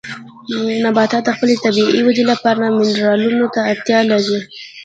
نباتات د خپلې طبیعي ودې لپاره منرالونو ته اړتیا لري.